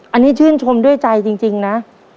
อันนี้ชื่นชมด้วยใจจริงนะ